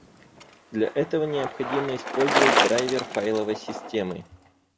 Для этого необходимо использовать драйвер файловой системы